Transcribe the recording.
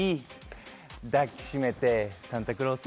抱き締めて、サンタクロース。